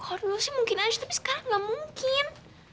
kalo dulu sih mungkin aja tapi sekarang gak mungkin